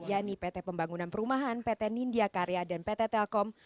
yakni pt pembangunan perumahan pt nindya karya dan pt telkom